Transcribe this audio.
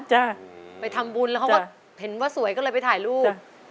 คุณจินตะลาสุขภัทธ์ไปทำบุญแล้วเขาก็เห็นว่าสวยก็เลยไปถ่ายรูป